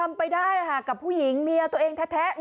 ทำไปได้อ่ะค่ะกับผู้หญิงเมียตัวเองแท้